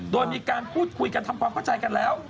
โดยมีการพูดคุยกันทำความเข้าใจกันแล้ว